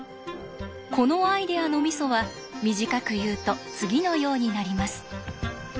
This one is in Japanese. このアイデアのミソは短く言うと次のようになります。